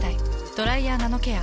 「ドライヤーナノケア」。